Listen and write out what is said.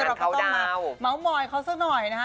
เราก็ต้องมาเมาส์มอยเขาสักหน่อยนะฮะ